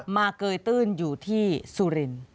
เกยตื้นอยู่ที่สุรินทร์